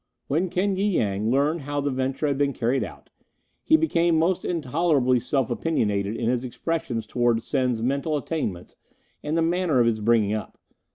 "When King y Yang learned how the venture had been carried out, he became most intolerably self opinionated in his expressions towards Sen's mental attainments and the manner of his bringing up.